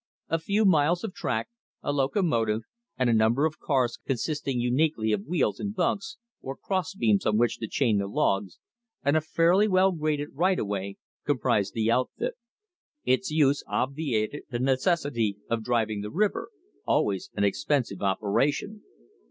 A few miles of track, a locomotive, and a number of cars consisting uniquely of wheels and "bunks," or cross beams on which to chain the logs, and a fairly well graded right of way comprised the outfit. Its use obviated the necessity of driving the river always an expensive operation.